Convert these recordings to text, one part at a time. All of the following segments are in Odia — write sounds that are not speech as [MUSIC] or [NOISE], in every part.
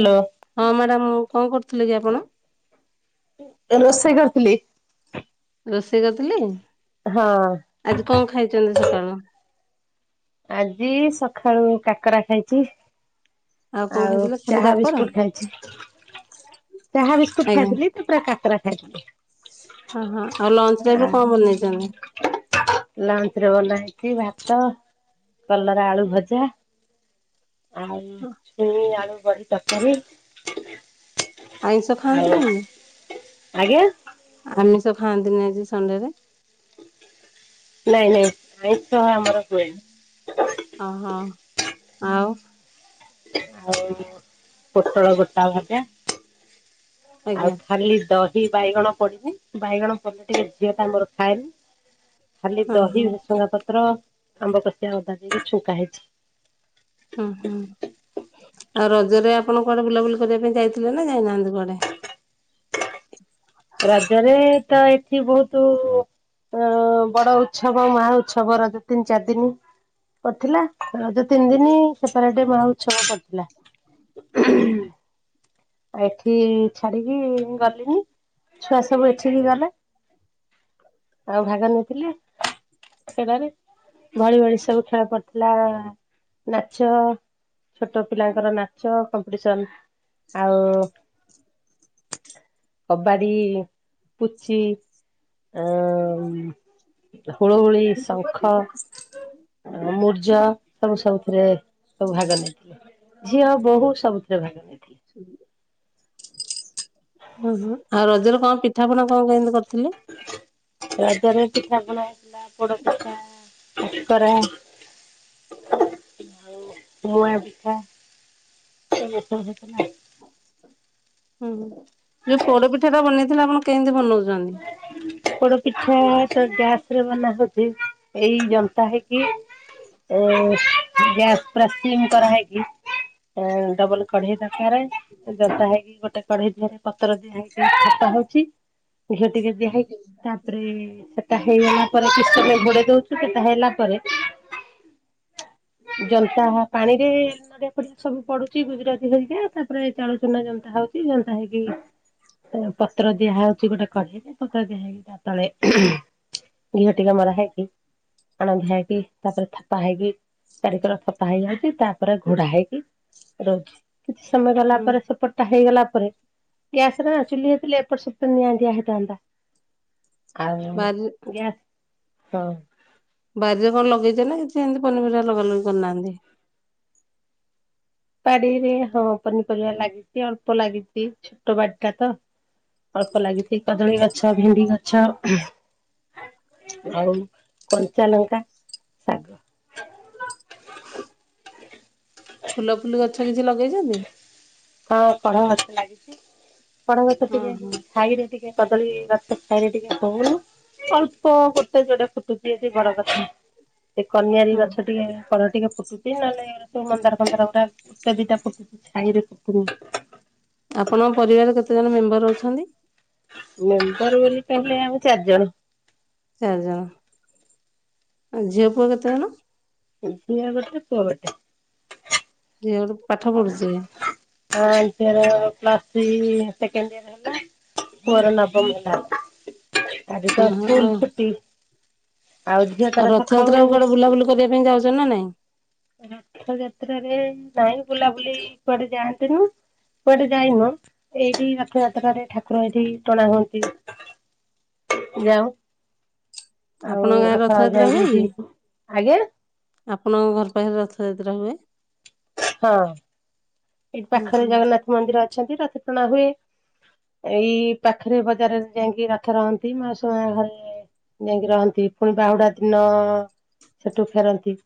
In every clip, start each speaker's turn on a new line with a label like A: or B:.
A: ହେଲୋ।
B: ହଁ ମ୍ୟାଡାାମ। ମୁଁ କଣ କରୁଥିଲେ କି ଆପଣ?
A: ରୋଷେଇ କରୁଥିଲି।
B: ରୋଷେଇ କରିଥିଲି। ଆଜି କଣ ଖାଇଛନ୍ତି ସକାଳୁ?
A: ଆଜି ସଖାଳୁ କାକାରା ଖାଇଛି।
B: କଣ
A: ଆଉ
B: ଖାଇଥିଲେ ଖାଲି
A: ଚାହା
B: କାକରା?
A: ବିସ୍କୁଟ ଖାଇଛି। [INAUDIBLE] ଚାହା ବିସ୍କୁଟ
B: ଆଜ୍ଞା
A: ଖାଇଥିଲି ତା ପରେ କାକରା ଖାଇଥିଲି।
B: ଆ ହଁ ଆଉ ଲଞ୍ଚ୍ ଟାଇମ ରେ
A: ଆଉ
B: କଣ ବନାଇଛନ୍ତି? [INAUDIBLE]
A: ଲୁଞ୍ଚ୍ ରେ ବନା ହେଇଛି ଭାତ କଲରା ଆଳୁ ଭଜା। [INAUDIBLE] ଆଉ ଛୁଉଁ, ଆଳୁ, ବଢ଼ି, ତରକାରୀ।
B: ଆଇଁଷ
A: ଆଉ
B: ଖଆନ୍ତିନି କି
A: ଆଜ୍ଞା
B: [INAUDIBLE] ଆମିଷ। ଖାଆନ୍ତିନି ଆଜି ସଣ୍ଡେରେ? [INAUDIBLE]
A: ନାଇଁ ନାଇଁ ଆଇଁଷ ଆମର
B: ଓହୋ
A: ହୁଏନି। [INAUDIBLE]
B: ଆଉ
A: ଆଉ ପୋଟଳ ଗୋଟା ଭଜା। ଆଉ
B: ଆଜ୍ଞା
A: ଖାଲି ଦଶ କି ବାଇଗଣ ପଡିନି ବାଇଗଣ ପଡିଲେ ଟିକେ ଝିଅ ଟା ମୋର ଖାଏନି। ଖାଲି
B: ହଁ ହଁ
A: ଦହି ଭୁସୁଙ୍ଗ ପତ୍ର ଆମ୍ବ କଷିଆ ଅଦା ଦେଇ ଛୁଙ୍କା ହେଇଛି।
B: ହୁଁ ହୁଁ। ଆଉ ରଜରେ ଆପଣ କୁଆଡେ ବୁଲାବୁଲି କରିବା ପାଇଁ ଯାଇଥିଲେ ନା ଯାଇନାହାନ୍ତି କୁଆଡେ। [INAUDIBLE]
A: ରାଜରେ ତ ଏଠି ବହୁତୁ ଅ ବଡ ଉତ୍ସବ ମହା ଉତ୍ସବ ରଜ ତିନି ଚାରି ଦିନି। ପଡ଼ିଥିଲା ରଜ ତିନି ଦିନି ସେପାରେଟ ମହା ଉତ୍ସବ ପଡ଼ିଥିଲା।
B: [UNINTELLIGIBLE]
A: ଆଉ ଏଠି ଛାଡିକି ଗଲିନି ଛୁଆ ସବୁ ଏଠିକି ଗଲେ। ଆଉ ଭାଗ ନେଇଥିଲେ। ଖେଳରେ ଭଳି ଭଳି ସବୁ ଖେଳ ପଡିଥିଲା ଆ ନାଚ ଛୋଟ ପିଲାଙ୍କର ନାଚ କମ୍ପିଟିସନ ଆଉ। [INAUDIBLE] କବାଡ଼ି ପୁଚି। ଆ ହୁଳୁହୁୁଳି ଶଙ୍ଖ। ମୂର୍ଜ ସବୁ ସବୁଥିରେ ସବୁ ଭାଗ ନେଇଥିଲେ। ଝିଅ ବୋହୁ ସବୁଥିରେ ଭାଗ ନେଇଥିଲେ।
B: ହଁ ହଁ ଆଉ ରଜରେ କଣ ପିଠା ପଣା କଣ କେମିତି କରିଚ।
A: ରଜରେ ପିଠା ପଣା ହେଇଥିଲା ପୋଡପିଠା। କାକରା ଆଉ ମୁଆ ପିଠା। ସେ ଓଟରେ ଥିଲା ଆଉ।
B: ହୁଁ ଯୋଉ ପୋଡପିଠା ଟା ବନେଇଥିଲ ଆପଣ କେମତି ବନଉଚନ୍ତି?
A: ପୋଡ ପିଠା ସେ ଗ୍ୟାସ୍ ରେ ବନା ହଉଚ଼ି ଏଇ ଜନ୍ତା ହେଇକି। ଏ ଗ୍ୟାସ୍ ପରା ସିମ୍ କରା ହେଇକି। ଡବଲ କଢେଇ ଦରକାରେ ଜନ୍ତା ହେଇକି ଗୋଟେ କଢେଇ ଦିହରେ ପତର ଦିଆ ହେଇକି ପାଉଛି ଘିଅ ଟିକେ ଦିଆ ହେଇକି ତାପରେ ସେଥ୍ ସେଟା ହେଇଗଲା ପରେ କିଛି ସମୟ ଘୋଡେଇ ଦଉଚୁ ସେଟା ହେଲା ପରେ ଜନ୍ତା ହ ପାଣି ରେ ନଡ଼ିଆ ଫଡିଆ ସବୁ ପଡୁଚି ଗୁଜୁରାତି ହେଇକା ତାପରେ ଚାଉଳ ଚୁନା ଜନ୍ତା ହ ହଉଚି ଜନ୍ତା ହେଇକି ପତ୍ର ଦିଆହଉଚି ଗୋଟେ କ ଖଜିକି ପତର ଦିଆ ହେଇକି ତା ତାଳେ ଲୁଣ ଟିକେ ମରା ହେଇକି ଆଣ ଧିଆ ହେଇକି ତାପରେ ଥାପା ହେଇକି ଚାରିିକର ଥପା ହେଇଯାଉଚି ତାପରେ ଘୋଡା ହେଇକି ରଉଚି। କିଛି ସମୟ ଗଲା
B: ହୁଁ
A: ପରେ ସେପଟା ହେଇଗଲା ପରେ ଗ୍ୟାସ ରେ ଚୁଲି ହେଇଥିଲେ ଏପଟ ସପଟ ନିଆଁ ଦିଆ ହେଇ ତାନ୍ତା ଆଉ
B: ବାରି
A: ଗ୍ୟାସ୍ ହଁ।
B: ବାରିରେ କଣ ଲଗେଇଛ ନା କିଛି ଏମତି ପନିପରିବା ଲଗା ଲଗି କରିନାହାନ୍ତି?
A: ବାଡିରେ ହଁ ପନିପରିବା ଲାଗିଚି ଅଳ୍ପ ଲାଗିଚି ଛୋଟ ବାଡି ଟା ତ। ଅଳ୍ପ ଲାଗିଚି କଦଳୀ ଗଛ, ଭେଣ୍ଡି ଗଛ। ଆଉ କଞ୍ଚାଲଙ୍କା, ଶାଗ। [INAUDIBLE]
B: ଫୁଲ ଫୁଲି ଗଛ କିଛି ଲଗେଇଚନ୍ତି?
A: ହଁ କଢ ଗଛ ଲାଗିଛି କଢ ଟିକେ
B: ହଁ
A: ଏ
B: ହଁ।
A: ଯଉ ଛାଇରେ ଟିକେ। କଦଳୀ ଗଛ ଛାଇରେ ଟିକେ ହଉନି। ଅଳ୍ପ ଗୋଟେ, ଯୋଡେ ଫୁଟୁଚି ଯଦି ବଡ କଥା। ସେ କନିଆାରୀ
B: ହୁଁ
A: ଗଛ ଟିକେ କଢ ଟିକେ ଫୁଟୁଛି ନହେଲେ ଏରା ସଵୁ ମନ୍ଦାର। ଗଛ ଟୋଟାଲ୍ ଗୋଟେ, ଦିଟା ଫୁଟୁଛି ଛାଇ ରେ ଫୁଟୁ ନି।
B: ଆପଣଙ୍କ ପରିବାରରେ କେତେ ଜଣ ମେମ୍ବର ଅଛନ୍ତି?
A: ମେମ୍ବର ବୋଲି ତାହାଲେ ଆମେ ଚାର୍ ଜଣ।
B: ଚାରି ଜଣ ଆ ଝିଅ, ପୁଅ କେତେ ଜଣ?
A: ଝିଅ ଗୋଟେ, ପୁଅ ଗୋଟେ।
B: ଝିଅ ଗୋଟେ ପାଠ ପଢୁଥିବେ?
A: ଆ ଝିଅର ପ୍ଲସ୍ ସି ସେକେଣ୍ଡିୟର ହେଲା ପୁଅ ର ନବମ ହେଲା। ଆଜି ତ
B: ଓହୋ ଆଉ
A: ସ୍କୁଲ ଛୁଟି। ଝିଅ
B: ଆଉ
A: ତାର ସକାଳୁ
B: ରଥଯାତ୍ରାକୁ କୁଆଡେ ବୁଲାବୁଲି କରିବା ପାଇଁ ଯାଉଚ଼ ନା ନାଇଁ?
A: ରଥଯାତ୍ରାରେ ନାଇଁ ବୁଲାବୁଲି କୁଆଡେ ଯାଆନ୍ତିନି। କୁଆଡେ ଯାଇନୁ ଏଇଠି ରଥଯାତ୍ରାରେ ଠାକୁର ଏଇଠି ଟଣା ହୁଅନ୍ତି। ଯାଉ। ଆଉ
B: ଆପଣଙ୍କ ଗାଁରେ
A: ରଥ
B: ରଥଯାତ୍ରା ହୁଏ କି
A: ଯାଇକି ଏଠି ଆଜ୍ଞା
B: ଆପଣଙ୍କ ଘର ଏପାଖରେ ରଥଯାତ୍ରା ହୁଏ।
A: ହଁ। ଏଠି
B: ହୁଁ
A: ପାଖରେ
B: ହୁଁ
A: ଜଗନ୍ନାଥ ମନ୍ଦିର ଅଛନ୍ତି ରଥ ଟଣା ହୁଏ। ଏଇ ପାଖରେ ବଜାରରେ ଯାଇଁକି ରଥ ରହନ୍ତି ମାଉସି ମା ଘରେ ଯାଇଁକି ରହନ୍ତି ପୁଣି ବାହୁଡା ଦିନ ସେଠୁ ଫେରନ୍ତି।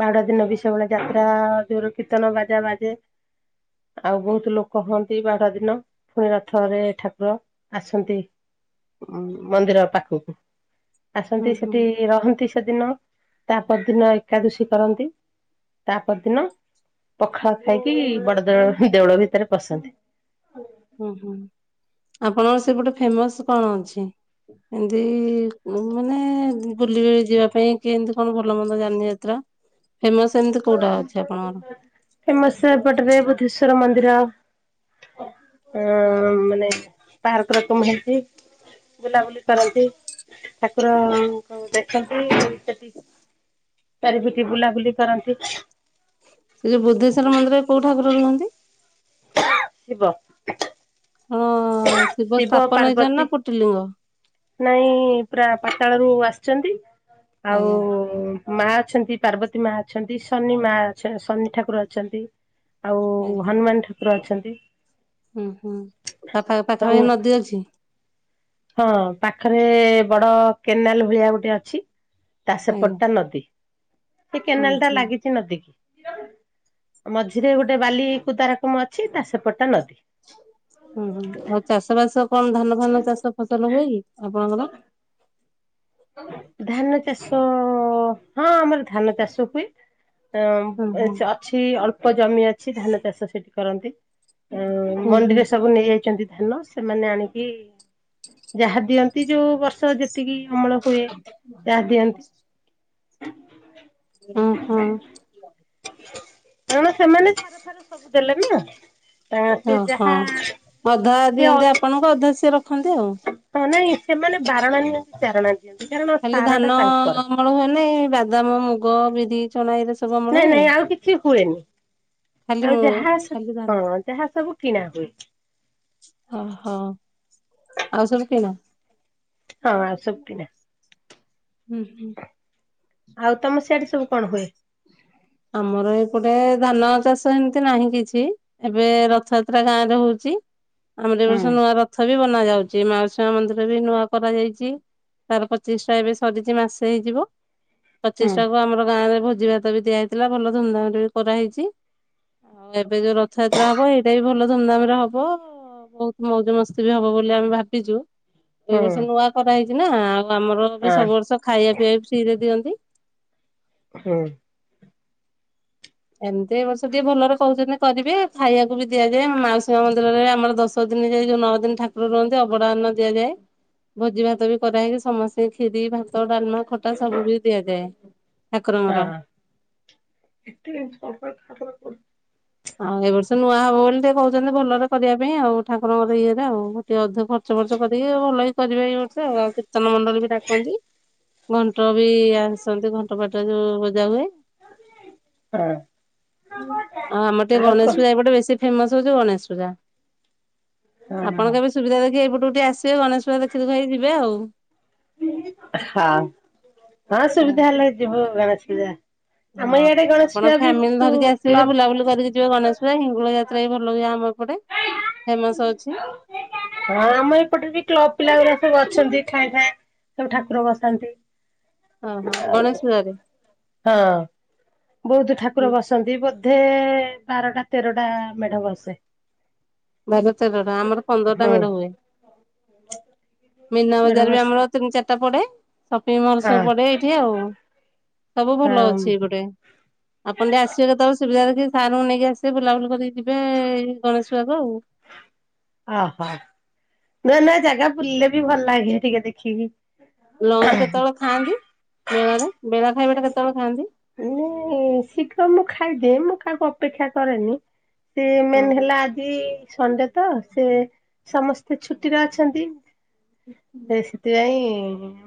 A: ବାହୁଡା ଦିନ ବି ସେଭଳିଆ ଯାତ୍ରା ଯୋରେ କୀର୍ତନ, ବାଜା ବାଜେ। ଆଉ ବହୁତ୍ ଲୋକ ହୁଅନ୍ତି ବାହୁଡ଼ା ଦିନ ଫୁଣି ରଥରେ ଠାକୁର ଆସନ୍ତି। ମନ୍ଦିର ପାଖକୁ
B: ହୁଁ
A: ଆସନ୍ତି
B: ହୁଁ
A: ସେଠି ରହନ୍ତି ସେଦିନ ତା ପର ଦିନ ଏକାଦଶୀ କରନ୍ତି ତା ପର ଦିନ- ପଖାଳ ଖାଇକି ବଡ ଦେଉଳ ଦେଉଳ ଭିତରେ ପସନ୍ତି।
B: ଉଁ ହୁଁ ଆପଣଙ୍କର ସେ ପଟେ ଫେମଶ୍ କଣ ଅଛି? ଏମତି ମାନେ ବୁଲି ଯିବା ପାଇଁ କି ଏମତି କଣ ଭଲ ମନ୍ଦ ଯାନି ଯାତ୍ରା? [INAUDIBLE] ଏମିତି କୋଉଟା ଅଛି ଆପଣଙ୍କର?
A: ଫେମସ ଏପଟ ରେ ବୁଦ୍ଧେଶ୍ଵର ମନ୍ଦ ନ୍ଦିର
B: ହଁ
A: ଏନ୍
B: ହଁ
A: ମାନେ ପାର୍କ ରକମ ହେଇଚ଼ି। ବୁଲାବୁଲି କରନ୍ତି ଠାକୁରଙ୍କୁ ଦେଖନ୍ତି ସେଠି ତାରି ବିିକେ ବୁଲାବୁଲି କରନ୍ତି।
B: ସେ ଯୋଉ ବୁଦ୍ଧେଶ୍ଵର ମନ୍ଦିରରେ କୋଉ ଠାକୁର ରୁହନ୍ତି?
A: ଶିବ।
B: ହଁ ଶିବ ସ୍ଥାପନ ହେଇଛନ୍ତି ନା ଫୁଟିଲିିଙ୍ଗ।
A: ନାଇଁ ପୁରା ପାତାଳ ରୁ ଆସିଛନ୍ତି ଆଉ।
B: ଆଜ୍ଞା
A: ମା ଅଛନ୍ତି ପାର୍ବତୀ ମା ଅଛନ୍ତି ଶନି ମା ଅ ଶନି ଠାକୁର ଅଛନ୍ତି। ଆଉ
B: ଆଜ୍ଞା
A: ହନୁମାନ ଠାକୁର ଅଛନ୍ତି।
B: ହୁଁ ହୁଁ ପା
A: ସବୁ
B: ପାଖାପାଖି ନଦୀ ଅଛି।
A: ହଁ ପାଖରେ ବଡ କେନାଲ ଭଳିଆ ଗୋଟେ ଅଛି। ତା
B: ଆଜ୍ଞା
A: ସେପଟଟା ନଦୀ। ସେଇ
B: ହଁ
A: କେନାଲ ଟା
B: ହଁ।
A: ଲାଗିଛି ନଦୀ କିି। ମଝିରେ ଗୋଟେ ବାଲି କ ତାରକମ ଅଛି ତା ସେପଟା ନଦୀ।
B: ହୁଁ ହୁଁ ଆଉ ଚାଷ ବାସ କଣ ଧାନ ଫାନ ଚାଷ ଫସଲ ହୁଏ ଆପଣଙ୍କର?
A: ଧାନ ଚାଷ ହଁ ଆମର ଧାନ ଚାଷ ହୁଏ
B: ହୁଁ ହୁଁ
A: ଅଛି ଅଳ୍ପ ଏ ଜମି ଅଛି ଧାନ ଚାଷ ସେଠି କରନ୍ତି
B: ହୁଁ ହୁଁ
A: ମଣ୍ଡିରେ ସବୁ ନେଇଯାଇଛନ୍ତି। ଧାନ ସେମାନେ ଆଣିକି ଯାହା ଦିଅନ୍ତି ଯୋଉ ବର୍ଷ ଯେତିକି ଅମଳ ହୁଏ ଯାହା ଦିଅନ୍ତି।
B: ହୁଁ ହୁଁ।
A: କଣ ସେମାନେ ସାର ଫାର ସବୁ ଦେଲେଣିି ନା। ସେ
B: ଓହୋ
A: ଯାହା
B: ଅଧା
A: ସିଏ
B: ଦିଅନ୍ତି
A: ହଁ
B: ଆପଣଙ୍କୁ ଅଧା ସିଏ ରଖନ୍ତି ଆଉ।
A: ନାଇଁ ସେମାନେ ବାରଣା ନିଅନ୍ତି ଚାରଣା ଦିଅନ୍ତି। କାରଣ
B: ଖାଲି
A: ସାର ଟା
B: ଧାନ
A: ତାଙ୍କର।
B: ଅମଳ ହୁଏ ନା ଏ ବାଦାମ ମୁଗ ବିରି ଚଣା ଏଇରା ସବୁ ଅମଳ
A: ନାଇଁ
B: ହୁଏ?
A: ନାଇଁ ଆଉ କିଛି ହୁଏନି।
B: ଖାଲି
A: ଆଉ
B: ମୁଁ
A: ଯାହା
B: ଖାଲି ଧାନ
A: ସବୁ କିଣା ହୁଏ।
B: ଓହୋ ଆଉ ସବୁ କିଣା।
A: ହଁ ଆଉ ସବୁ କିଣା
B: ହ ହୁଁ ହୁଁ।
A: ଆଉ ତମ ସିଆଡେ ସବୁ କଣ ହୁଏ?
B: ଆମର ଏପଟେ ଧାନ ଚାଷ ଏମିତି ନାହିଁ କିଛି ଏବେ ରଥଯାତ୍ରା ଗାଁ ରେ ହଉଛି। ଆମର ଏ
A: ହୁଁ
B: ବର୍ଷ ନୂଆ ରଥ ବି ବ [UNINTELLIGIBLE] ଶୁଣା ଯାଉଛି ମାଉସୀ ମା ମନ୍ଦିର ବି ନୂଆ କରାଯାଇଛି ତାର ପ୍ରତିଷ୍ଠା ଟା ଏବେ ସମା ସରିଛି ମାସେ ହେଇଯିବ
A: ହୁଁ
B: ପ୍ରତିଷ୍ଠା ଟା କୁ ଆମର ଗାଁରେ ଭୋଜି ଭାତ ବି ଦିଆହେଇଛି। ଥିଲା ଭଲ ଧୁମଧାାମ ରେ ବି କରାହେଇଛି। ଆଉ ଏବେ ଯୋଉ ରଥଯାତ୍ରା ହବ ଏଇଟା ବି ଭଲ ଧୁମଧାମ ରେ ହବ। ବହୁତ ମଉଜ ମସ୍ତି ବି ହବ ବୋଲି ଆମେ ଭାବିଛୁ। ଏଇ
A: ହୁଁ
B: ବର୍ଷ ନୂଆ କରାହେଇଛି ନା ଆଉ ଆମର ବି
A: ଆ
B: ସବୁ ବର୍ଷ ଖାଇବା ପିଇବା ବି ଫ୍ରି ରେ ଦିଅନ୍ତି।
A: ହଁ।
B: ଏମିତି ଏ ବର୍ଷ ଟିକେ ଭଲରେ କହୁଛନ୍ତି କରିବେ ଖାଇବାକୁ ବି ଦିଆଯାଏ ମାଉସୀ ମା ମନ୍ଦିରରେ ଆମର ଦଶ ଦିନ ଯାଏ ଯୋଉ ନଅ ଦିନ ଠାକୁର ରହନ୍ତି ଅଭଡ଼ା ଅନ୍ନ ଦିଆଯାଏ। ଭୋଜି ଭାତ ବି କରାହେଇକି ସମସ୍ତେ କ୍ଷୀରି ଭାତ ଡାଲମା ଖଟା ସବୁ ବି ଦିଆଯାଏ ଠାକୁରଙ୍କର।
A: ହଁ [UNINTELLIGIBLE]
B: ଆଉ ଏ ବର୍ଷ ନୂଆ ହବ ବୋଲି ଟିକେ କହୁଛନ୍ତି ଭଲରେ କରିବା ପାଇଁ ଆଉ ଠାକୁରଙ୍କର ଇଏରେ ଆଉ ଅଧିକ ଖର୍ଚ୍ଚ ଏ ବର୍ଷ କରିବେ ଭଲକି କରିବେ ଏଇ ବର୍ଷ ଆଉ, ଆଉ କୀର୍ତ୍ତନ ମଣ୍ଡଳୀ ବି ଡାକନ୍ତି। ଘଣ୍ଟ ବି ଆସନ୍ତି ଘଣ୍ଟ ପାଟରେ ଯୋଉ ବଜା ହୁଏ।
A: ହଁ।
B: ହଁ ଆମର ଟିକେ ଗଣେଶ ପୂଜା ଏପଟେ ବେଶୀ ଫେମସ ହଉଛି ଗଣେଶ ପୂଜା।।
A: ହଁ
B: ଆପଣ କେବେ ସୁବିଧା ଦେଖି ଏଇ ପଟୁକୁ ଟିକେ ଆସିବ ଗଣେଶ ପୂଜା ଦେଖି ଦୁଖା ହେଇ ଯିବେ ଆଉ।
A: ହଁ ହଁ ସୁବିଧା ହେଲେ ଯିବୁ ଗଣେଶ ପୂଜା ଆମ
B: ହଁ
A: ଇଆଡେ ଗଣେଶ
B: ଆପଣ
A: ପୂଜା ବି
B: ଫ୍ୟାମିଲି
A: ବହୁତ
B: ଧରିକି ଆସିବେ
A: କ୍ଲବ
B: ବୁଲାବୁଲି କରିକି ଯିବେ ଗଣେଶ ପୂଜା, ହିଙ୍ଗୁଳା ଯାତ୍ରା ବି ଭଲ ହୁଏ ଆମ ଏପଟେ। ଫେମସ ଅଛି
A: ହଁ ଆମ ଏପଟରେ ବି କ୍ଲବ ପିଲା ଗୁରା ସବୁ ଅଛନ୍ତି ଠାଏ ଠାଏ ସବୁ ଠାକୁର ବସାନ୍ତି।
B: ଓହୋ ଗଣେଶ ପୂଜାରେ?
A: ହଁ। ବହୁତ ଠାକୁର ବସନ୍ତି, ବୋଧେ ବାରଟା ତେରଟା ମେଢ ବସେ।
B: ବାର ତେରଟା ଆମର ପନ୍ଦରଟା
A: ହଁ
B: ମେଢ ହୁଏ। ମିନା
A: ମେଢ
B: ବଜାର ବି
A: ବସେ
B: ଆମର ତିନି ଚାରିଟା ପଡେ, ସପିଙ୍ଗ ମଲ୍
A: ହଁ
B: ସବୁ ପଡେ ଏଇଠି ଆଉ। ସବୁ ଭଲ ଅଛି
A: ହଁ
B: ଏପଟେ ଆପଣ ଟିକେ ଆସିବେ କେତେବେଳେ ସୁବିଧା ଦେଖି। ସାରଙ୍କୁ ନେଇକି ଆସିବେ ବୁଲାବୁଲି କରିକି ଯିବେ ଏଇ ଗଣେଶ ପୂଜାକୁ ଆଉ।
A: ଅ ହୋ ନୂଆ ନୂଆ ଜାଗା ବୁଲିଲେ ବି ଭଲ ଲାଗେ ଟିକେ ଦେଖିକି
B: ଲଞ୍ଚ କେତେବେଳେ ଖାଆନ୍ତି ବେଳରେ ବେଳା ଖାଇବାଟା କେତେବେଳେ ଖାଆନ୍ତି?
A: ଉଁ ଶୀଘ୍ର ମୁଁ ଖା ଏ ମୁଁ କାହାକୁ ଅପେକ୍ଷା କରେନି, ସେ ମେନ୍
B: ଓହୋ।
A: ହେଲା ଆଜି ସନ ଡେ ତ ସେ ସମସ୍ତେ ଛୁଟିରେ ଅଛନ୍ତି ସେ ସେଥିପାଇଁ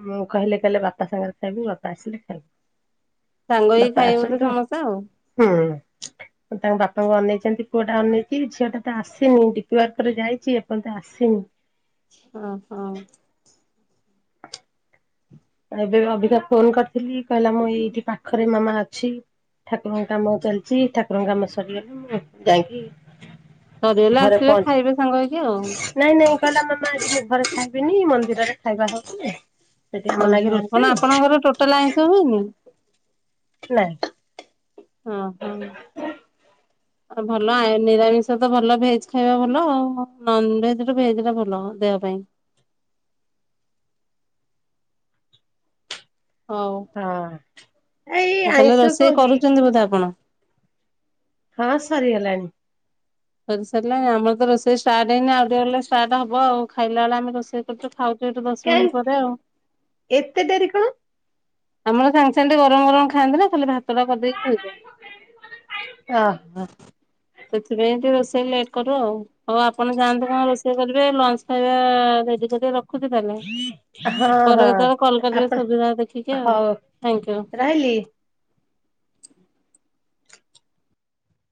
A: ମୁଁ କହିଲେ କହିଲେ ବାପା ସାଙ୍ଗରେ ଖାଇବୁ ବାପା ଆସିଲେ ଖାଇବୁ।
B: ସାଙ୍ଗ ହେଇକି
A: ବାପା
B: ଖାଇବେ ବୋଧେ
A: ଆସନ୍ତୁ
B: ସମସ୍ତେ ଆଉ
A: ହୁଁ। ତାଙ୍କ ବାପାଙ୍କୁ ଅନେଇଛନ୍ତି ପୁଅଟା ଅନେଇଛି ଝିଅଟା ତ ଆସିନି ଟି ୱାର୍କରେ ଯାଇଛି ଏପନ୍ତେ ଆସିନି।
B: ଓ ହୋ।
A: ଏବେ ଅବିକା ଫୋନ କରିଥିଲି, କହିଲା ମୁଁ ଏଇଠି ପାଖରେ ମାମା ଅଛି ଠାକୁରଙ୍କ କାମ ଚାଲଚି ଠାକୁରଙ୍କ କାମ ସରିଗଲେ ମୁଁ ଯାଇକି
B: ସରିଗଲେ
A: ଘରେ
B: ଆସିବେ
A: ପହଞ୍ଚି,
B: ଖାଇବେ ସାଙ୍ଗ ହେଇକି ଆଉ।
A: ନାଇଁ ନାଇଁ। କହିଲା ମାମା ଆଜି ଘରେ ଖାଇବିନି ମନ୍ଦିରରେ ଖାଇବା ହଉଚି
B: ଓହୋ କଣ ଆପଣଙ୍କର ଟୋଟାଲ ଆଇଁଷ ହୁଏନି?
A: ନା।
B: ହ ହଁ।
A: ହ
B: ଆଉ ଭଲ ଆ ନିରାମିଷ ତ ଭଲ ଭେଜ ଖାଇବା ଭଲ, ଆଉ ନନଭେଜ ଠୁ ଭେଜଟା ଭଲ ଦେହ ପାଇଁ। ହଉ ଆଉ
A: ହଁ ଏଇ
B: ତାହେଲେ
A: ଆଇଁଷ କଣ
B: ରୋଷେଇ
A: କି?
B: କରୁଚନ୍ତି ବୋଧେ ଆପଣ?
A: ହଁ ସରି ଗଲାଣି।
B: କରି ସାରିଲାଣି ଆମର ତ ରୋଷେଇ ଷ୍ଟାର୍ଟ ହେଇନି ଆଉ ଟିକେ ଗଲେ ଷ୍ଟାର୍ଟ ହବ ଆଉ ଖାଇଲା ବେଳେ ଆମେ ରୋଷେଇ କରୁଛୁ ଖାଉ [UNINTELLIGIBLE] ଦଶ
A: କାଇଁ
B: ମିନିଟ ପରେ ଆଉ।
A: ଏତେ ଡେରି କଣ?
B: ଆମର ସାଙ୍ଗେ ସାଙ୍ଗେ ଟିକେ ଗରମ ଗରମ ଖାଆନ୍ତି ନା। [UNINTELLIGIBLE] ଭାତଟା କଟଦେଇ ଥୋଇଦିଏ।
A: ଓହୋ
B: ସେଥିପାଇଁ ରୋଷେଇ ଟିକେ ଲେଟ୍ କରୁ ଆଉ, ହଉ ଆପଣ ଯାଆନ୍ତୁ କଣ ରୋଷେଇ କରିବେ ଲଞ୍ଚ ଖାଇବା ରେଡି କରିବେ ରଖୁ ଖୁଛି ତାହାଲେ
A: ହଁ
B: ପରେ କେତେବେଳେ
A: ହଁ
B: କଲ୍ କରିବେ
A: ଆପଣ
B: ସୁବିଧା ଦେଖ କି ଆଉ,
A: ହଉ
B: ଥ୍ୟାଙ୍କ
A: ରହିଲି।
B: ୟୁ।